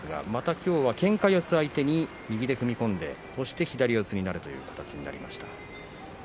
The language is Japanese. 今日は、けんか四つの相手に右で踏み込んでそして左四つになるという形でした。